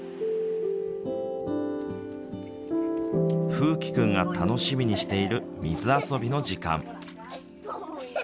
楓希君が楽しみにしている水遊びの時間。